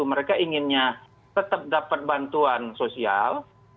mereka inginnya tetap dapat bantuan sosial